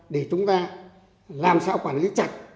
để chúng ta làm sao quản lý chặt